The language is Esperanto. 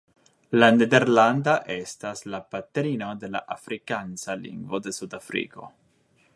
La nederlanda estas la patrino de la afrikansa lingvo de Sud-Afriko.